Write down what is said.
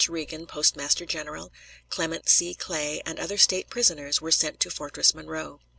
Reagan, Postmaster General, Clement C. Clay, and other State prisoners, were sent to Fortress Monroe.